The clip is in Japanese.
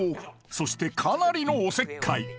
そしてかなりのおせっかい